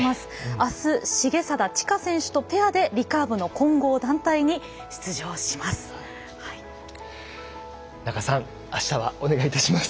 あす、重定知佳選手とペアでリカーブの混合団体に出場します。